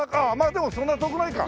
でもそんな遠くないか。